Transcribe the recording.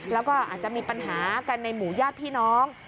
แล้วก็อาจจะมีปัญหากันในหมู่ญาติพี่น้อง